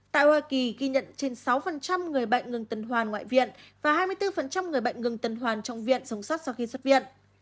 tại hoa kỳ ghi nhận trên sáu người bệnh ngừng tần hoa ngoại viện và hai mươi bốn người bệnh ngừng tần hoa trong viện sống sót sau khi xuất viện